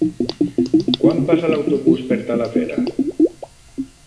Quan passa l'autobús per Talavera?